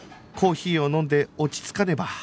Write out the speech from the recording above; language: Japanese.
コーヒーを飲んで落ち着かねば